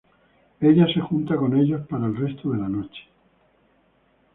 Ella se junta con ellos para el resto de la noche.